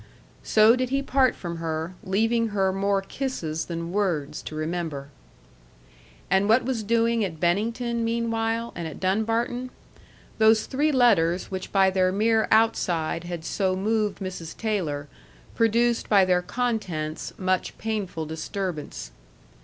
So did he part from her, leaving her more kisses than words to remember. And what was doing at Bennington, meanwhile, and at Dunbarton? Those three letters which by their mere outside had so moved Mrs. Taylor, produced by their contents much painful disturbance.